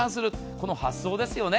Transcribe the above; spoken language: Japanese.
この発想ですよね。